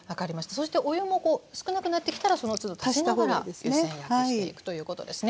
そしてお湯も少なくなってきたらそのつど足しながら湯煎焼きしていくということですね。